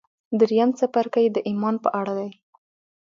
درېيم څپرکی د ايمان په اړه دی.